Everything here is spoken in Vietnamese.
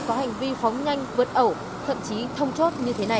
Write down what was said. có hành vi phóng nhanh vượt ẩu thậm chí thông chốt như thế này